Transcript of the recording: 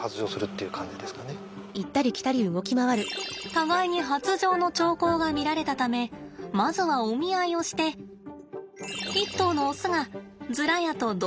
互いに発情の兆候が見られたためまずはお見合いをして１頭のオスがズラヤと同居を始めました。